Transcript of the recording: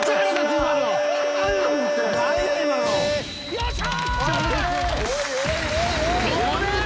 よっしゃ！